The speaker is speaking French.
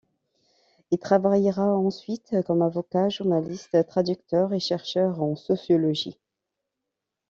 Il travaillera ensuite comme avocat, journaliste, traducteur et chercheur en sociologie.